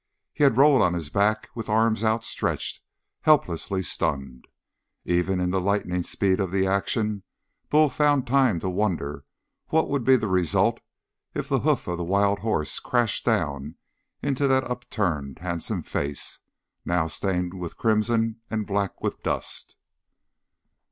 He had rolled on his back with arms outstretched, helplessly stunned. Even in the lightning speed of the action Bull found time to wonder what would be the result if the hoof of the wild horse crashed down into that upturned, handsome face, now stained with crimson and black with dust.